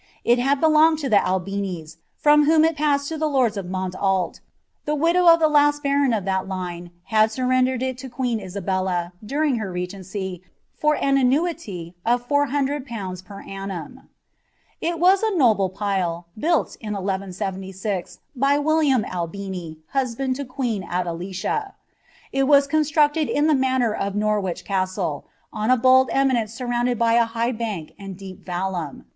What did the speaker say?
Ii had beloopd to the Albinis, froon vFhom it paaaed to [he lords of Slonlali ; the wido* of the last baron of that line had surrendered it to queen IsaboQa, dunaf her regency, for an annuity of 4001. per annum It was a noble pile, built, in 1 ITS, by Wdliam Albini, husband te queen Adelicio. It was constructed in the manner of Norwidi Ctrtlr, on a bold eminence surrounded by a high bank and deep valluBi.